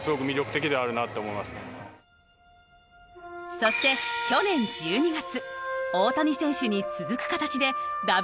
そして去年１２月大谷選手に続く形でＷＢＣ参加を表明。